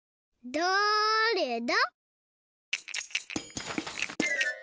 だれだ？